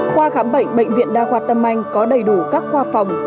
khoa khám bệnh bệnh viện đa hoạt tâm anh có đầy đủ các khoa phòng